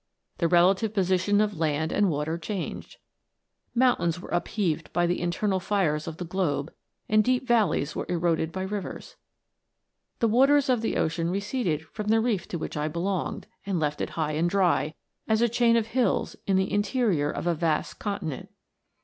The relative position of land and water changed. Mountains were upheaved by the internal fires of the globe, and deep valleys were eroded by rivers. The waters of the ocean receded from the reef to which I belonged, and left it high and dry, as a chain of hills in the interior of a vast continent.